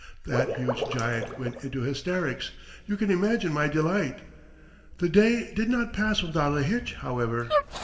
. that huge giant went into hysterics, you can imagine my delight! The day did not pass without a hitch, however.